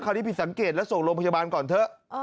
คราวนี้ผิดสังเกตแล้วส่งลงพยาบาลก่อนเถอะ